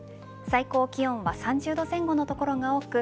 最高気温は３０度前後の所が多く